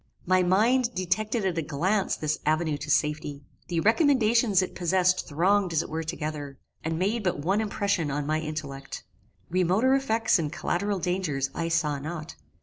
My mind detected at a glance this avenue to safety. The recommendations it possessed thronged as it were together, and made but one impression on my intellect. Remoter effects and collateral dangers I saw not.